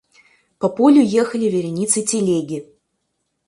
По полю ехали вереницей телеги.